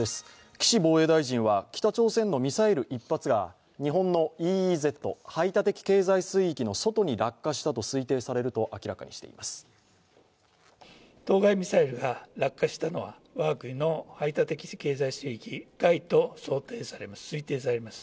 岸防衛大臣は北朝鮮のミサイル１発が日本のＥＥＺの外に落下したと推定されると明らかにしています。